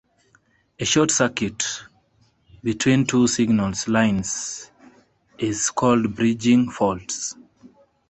A short circuit between two signal lines is called bridging faults.